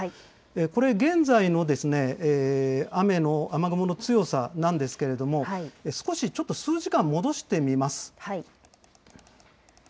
これ、現在の雨の、雨雲の強さなんですけれども、少し、ちょっと数時間戻してみます。